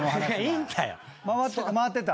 回ってた？